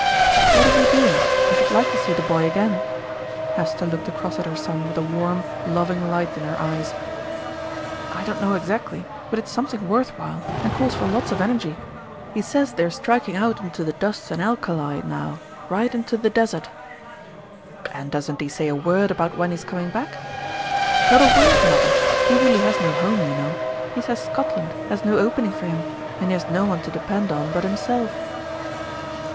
"What is he doing? I should like to see the boy again." Hester looked across at her son with a warm, loving light in her eyes. "I don't know exactly, but it's something worth while, and calls for lots of energy. He says they are striking out into the dust and alkali now right into the desert." "And doesn't he say a word about when he is coming back?" "Not a word, mother. He really has no home, you know. He says Scotland has no opening for him, and he has no one to depend on but himself."